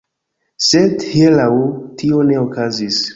Sed, hieraŭ, tio ne okazis.